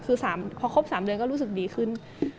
คือพอครบ๓เดือนก็รู้สึกดีขึ้น